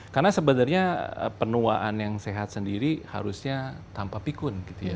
karena sebenarnya penuaan yang sehat sendiri harusnya tanpa pikun